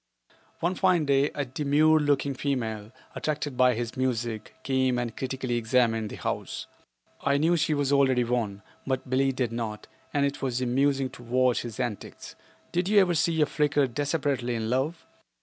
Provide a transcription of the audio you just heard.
One fine day a demure looking female, attracted by his music, came and critically examined the house. I knew she was already won, but Billie did not, and it was amusing to watch his antics. Did you ever see a Flicker desperately in love?